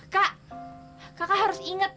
kak kakak harus inget